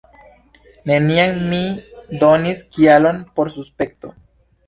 Neniam mi donis kialon por suspekto.